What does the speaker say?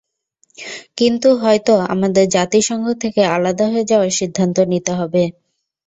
কিন্তু হয়তো আমাদের জাতিসংঘ থেকে আলাদা হয়ে যাওয়ার সিদ্ধান্ত নিতে হবে।